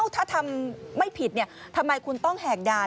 ถ้าทำไม่ผิดทำไมคุณต้องแหกด่าน